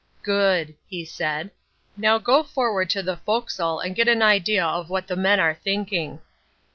"Good," he said, "now go forward to the forecastle and get an idea what the men are thinking."